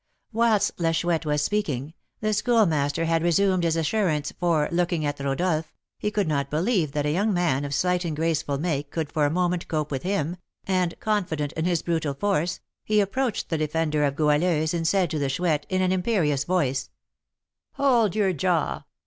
Whilst La Chouette was speaking, the Schoolmaster had resumed his assurance, for, looking at Rodolph, he could not believe that a young man of slight and graceful make could for a moment cope with him, and, confident in his brutal force, he approached the defender of Goualeuse, and said to the Chouette, in an imperious voice: "Hold your jaw!